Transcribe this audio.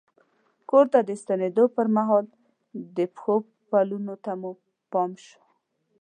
کور ته د ستنېدو پر مهال د پښو پلونو ته مو پام شو.